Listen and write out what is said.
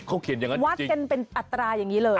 เขาเขียนแบบนี้วัดเป็นอัตรายอย่างนี้เลย